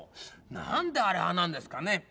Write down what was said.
なんであれああなんですかね。